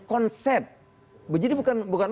konsep jadi bukan